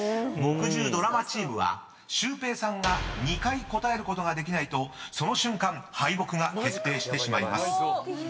［木１０ドラマチームはシュウペイさんが２回答えることができないとその瞬間敗北が決定してしまいます］